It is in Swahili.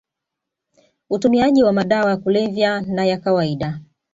utumiaji wa madawa ya kulevya na ya kawaida